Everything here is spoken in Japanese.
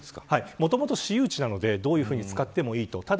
もともと私有地なのでどういうふうに使ってもいい。